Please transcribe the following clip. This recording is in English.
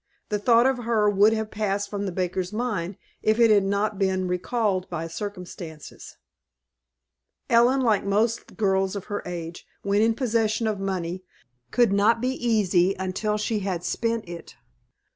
The thought of her would have passed from the baker's mind, if it had not been recalled by circumstances. Ellen, like most girls of her age, when in possession of money, could not be easy until she had spent it.